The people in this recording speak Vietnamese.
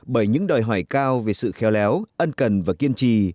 bởi những đòi hỏi cao về sự khéo léo ân cần và kiên trì